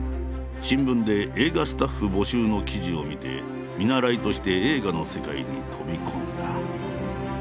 新聞で「映画スタッフ募集」の記事を見て見習いとして映画の世界に飛び込んだ。